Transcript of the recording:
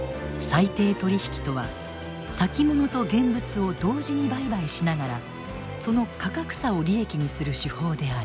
裁定取引とは先物と現物を同時に売買しながらその価格差を利益にする手法である。